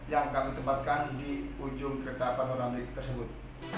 yang kami tempatkan di ujung kereta panoramik tersebut